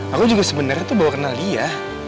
aku juga sebenernya tuh bawa kenal dia